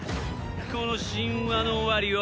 この神話の終わりを。